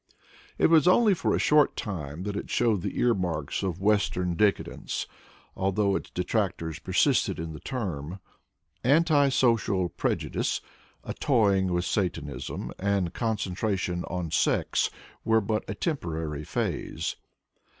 It was only for a short time that it showed the earmarks of western decadence, although its Introduction xv detractors persisted in the term. Anti social prejudice, a toying with satanism, and concentration on sex were but a temporary phase.